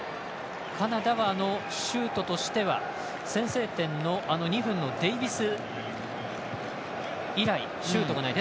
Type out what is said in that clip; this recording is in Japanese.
カナダは、シュートとしては先制点の２分のデイビス以来、シュートがない。